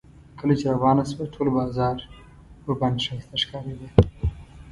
کله چې روانه شوه ټول بازار ورباندې ښایسته ښکارېده.